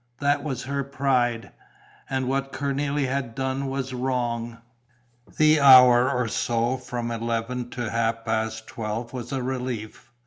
That was her pride. And what Cornélie had done was wrong.... The hour or so from eleven to half past twelve was a relief.